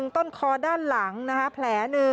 ต้นคอด้านหลังแผล๑